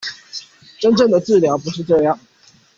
真正的治療不是這樣